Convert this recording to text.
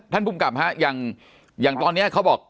ภูมิกับฮะอย่างตอนนี้เขาบอก